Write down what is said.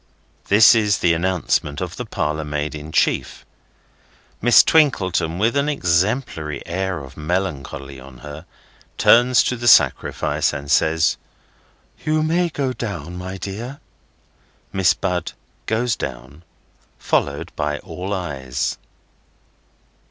This is the announcement of the parlour maid in chief. Miss Twinkleton, with an exemplary air of melancholy on her, turns to the sacrifice, and says, "You may go down, my dear." Miss Bud goes down, followed by all eyes.